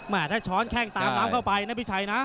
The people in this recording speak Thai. ถ้าช้อนแข้งตามน้ำเข้าไปนะพี่ชัยนะ